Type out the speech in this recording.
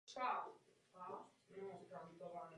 To bylo většinou užitečné pro vědecký a matematický software.